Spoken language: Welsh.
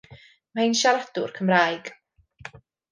Mae hi'n siaradwr Cymraeg.